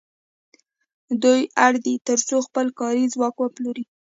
دوی اړ دي تر څو خپل کاري ځواک وپلوري